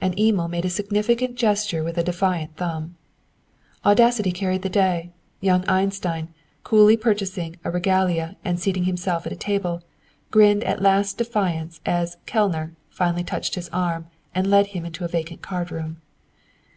And Emil made a significant gesture with a defiant thumb. Audacity carried the day! Young Einstein, coolly purchasing a Regalia and seating himself at a table, grinned a last defiance as a "Kellner" finally touched his arm and led him into a vacant card room.